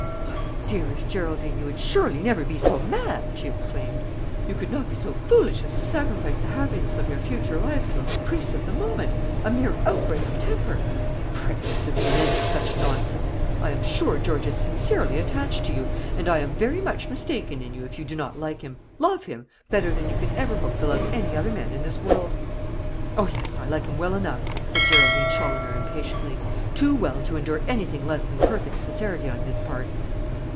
"My dearest Geraldine, you would surely never be so mad!" she exclaimed. "You could not be so foolish as to sacrifice the happiness of your future life to a caprice of the moment a mere outbreak of temper. Pray, let there be an end of such nonsense. I am sure George is sincerely attached to you, and I am very much mistaken in you if you do not like him love him better than you can ever hope to love any other man in this world." "O yes; I like him well enough," said Geraldine Challoner impatiently; "too well to endure anything less than perfect sincerity on his part."